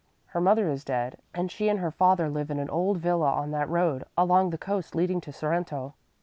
Her mother is dead, and she and her father live in an old villa on that road along the coast leading to Sorrento.